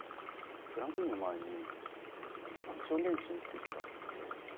クランクインの前にアクション練習っていう日があって。